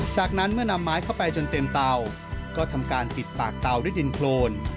จากนั้นเมื่อนำไม้เข้าไปจนเต็มเตาก็ทำการปิดปากเตาด้วยดินโครน